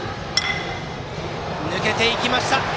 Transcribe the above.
抜けていきました。